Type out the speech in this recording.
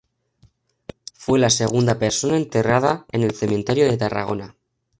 Fue la segunda persona enterrada en el Cementerio de Tarragona.